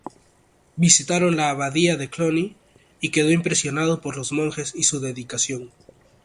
Visitaron la Abadía de Cluny y quedó impresionado por los monjes y su dedicación.